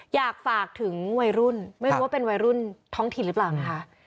อยากฝากถึงวัยรุ่นไม่รู้ว่าเป็นวัยรุ่นท้องถิ่นหรือเปล่านะคะ